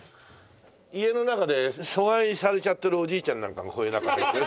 家の中で疎外されちゃってるおじいちゃんなんかこういう。